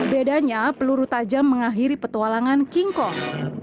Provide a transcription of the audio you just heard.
bedanya peluru tajam mengakhiri petualangan king kong